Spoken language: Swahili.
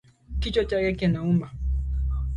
Kichwa chake kinauma.